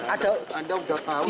anda udah tahu